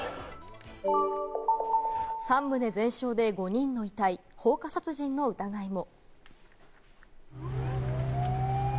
３棟、全焼で５人の遺体、放火殺人の疑いも。